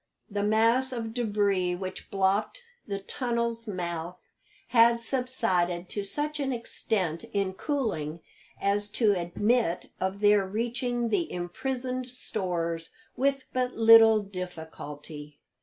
The mass of debris which blocked the tunnel's mouth had subsided to such an extent in cooling as to admit of their reaching the imprisoned stores with but little difficulty.